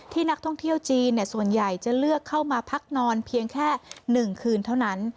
นักท่องเที่ยวจีนส่วนใหญ่จะเลือกเข้ามาพักนอนเพียงแค่๑คืนเท่านั้น